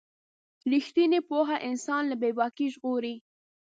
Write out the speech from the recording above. رښتینې پوهه انسان له بې باکۍ ژغوري.